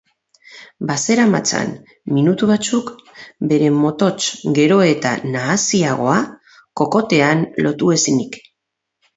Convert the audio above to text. Bazeramatzan minutu batzuk bere motots gero eta nahasiagoa kokotean lotu ezinik.